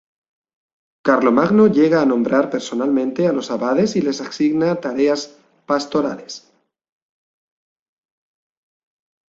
Carlomagno llega a nombrar personalmente a los abades y les asigna tareas pastorales.